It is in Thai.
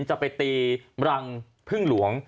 จะไปตีรังพึ่งหลวง